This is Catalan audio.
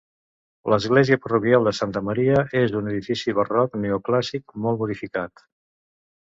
L'església parroquial de Santa Maria és un edifici barroc-neoclàssic, molt modificat.